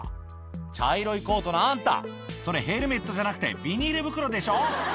茶色いコートのあんた、それ、ヘルメットじゃなくて、ビニール袋でしょ？